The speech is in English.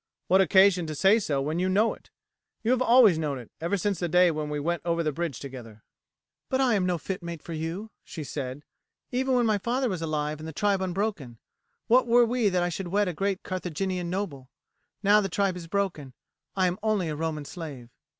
"What occasion to say so when you know it? You have always known it, ever since the day when we went over the bridge together." "But I am no fit mate for you," she said. "Even when my father was alive and the tribe unbroken, what were we that I should wed a great Carthaginian noble? Now the tribe is broken, I am only a Roman slave."